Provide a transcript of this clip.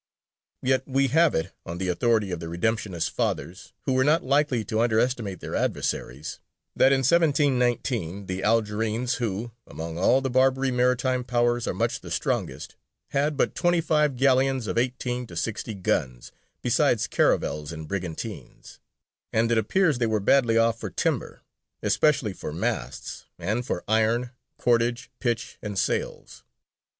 Yet we have it on the authority of the Redemptionist Fathers, who were not likely to underestimate their adversaries, that in 1719 the Algerines who, "among all the Barbary maritime Powers are much the strongest," had but twenty five galleons of eighteen to sixty guns, besides caravels and brigantines; and it appears they were badly off for timber, especially for masts, and for iron, cordage, pitch, and sails.